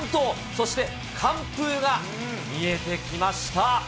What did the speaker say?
そして、完封が見えてきました。